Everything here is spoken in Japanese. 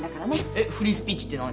えっフリースピーチって何？